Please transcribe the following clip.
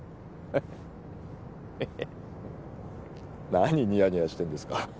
何ニヤニヤしてんですか